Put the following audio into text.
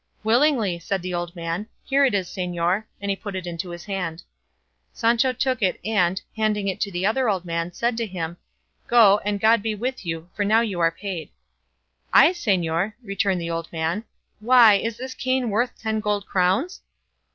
"Willingly," said the old man; "here it is señor," and he put it into his hand. Sancho took it and, handing it to the other old man, said to him, "Go, and God be with you; for now you are paid." "I, señor!" returned the old man; "why, is this cane worth ten gold crowns?"